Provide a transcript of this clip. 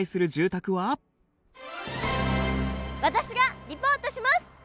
私がリポートします！